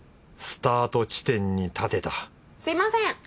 スタート地点に立てたすみません！